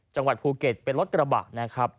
จังหวัดภูเก็ตเป็นรถกระบะนะครับ